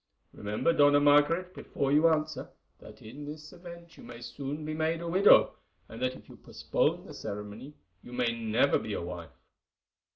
Remember, Dona Margaret, before you answer, that in this event you may soon be made a widow, and that if you postpone the ceremony you may never be a wife."